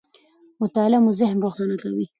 مطالعه مو ذهن روښانه کوي.